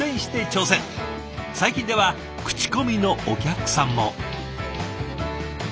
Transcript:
最近では口コミのお客さんも。